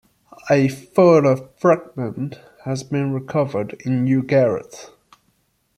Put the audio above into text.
A further fragment has been recovered in Ugarit.